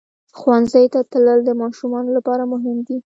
ښوونځي ته تلل د ماشومانو لپاره مهم دي.